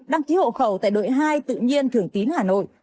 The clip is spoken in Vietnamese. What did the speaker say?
đăng ký hộ khẩu tại đội hai tự nhiên thường tín hà nội